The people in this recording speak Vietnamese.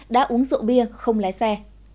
đã uống rượu bia không lái xe